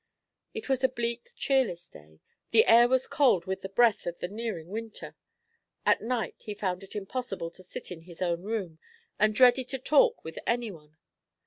It was a bleak, cheerless day; the air was cold with the breath of the nearing winter. At night he found it impossible to sit in his own room, and dreaded to talk with any one.